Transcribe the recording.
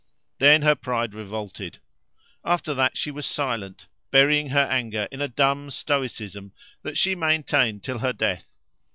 Then her pride revolted. After that she was silent, burying her anger in a dumb stoicism that she maintained till her death.